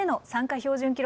標準記録